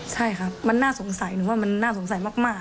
ใช่ครับมันน่าสงสัยหรือว่ามันน่าสงสัยมาก